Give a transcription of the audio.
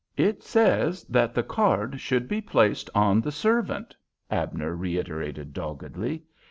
"It says that the card should be placed on the servant," Abner reiterated, doggedly.